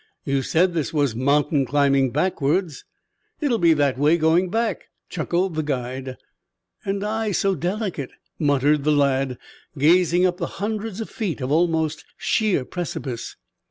"You said this was mountain climbing backwards. It'll be that way going back," chuckled the guide. "And I so delicate!" muttered the lad, gazing up the hundreds of feet of almost sheer precipice.